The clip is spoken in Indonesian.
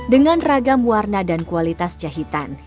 dengan ragam warna dan kualitas jahitan